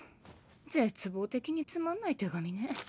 絶望的につまんない手紙ね。